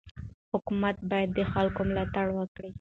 حکومت باید د خلکو ملاتړ وکړي.